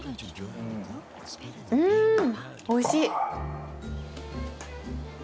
うんおいしい。